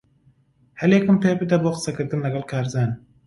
ھەلێکم پێبدە بۆ قسەکردن لەگەڵ کارزان.